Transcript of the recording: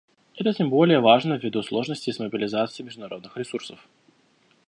Это тем более важно ввиду сложностей с мобилизацией международных ресурсов.